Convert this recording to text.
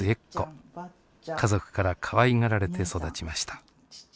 家族からかわいがられて育ちました。